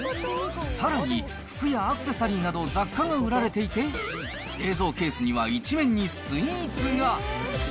さらに服やアクセサリーなど雑貨が売られていて、冷蔵ケースには、一面にスイーツが。